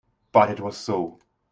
But it was so.